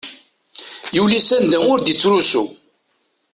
Yuli s anda ur d-ittrusu.